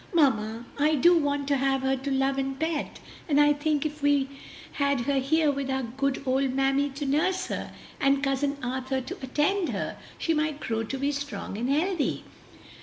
"Mamma, I do want to have her to love and pet, and I think if we had her here with our good old mammy to nurse her, and Cousin Arthur to attend her, she might grow to be strong and healthy."